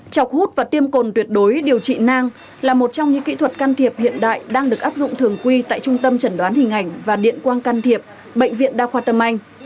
chọc hút và tiêm cồn tuyệt đối điều trị nang là một trong những kỹ thuật can thiệp hiện đại đang được áp dụng thường quy tại trung tâm chẩn đoán hình ảnh và điện quang can thiệp bệnh viện đa khoa tâm anh